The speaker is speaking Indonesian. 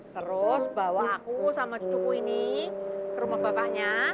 terus bawa aku sama cucuku ini ke rumah bapaknya